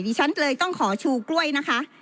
ฉันเลยต้องขอชูกล้วยนะคะ